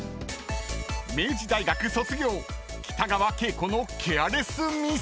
［明治大学卒業北川景子のケアレスミス］